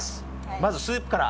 まずスープから。